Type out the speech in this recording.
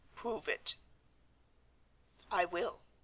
"Prove it." "I will.